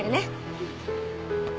うん。